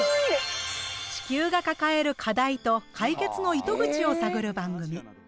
地球が抱える課題と解決の糸口を探る番組。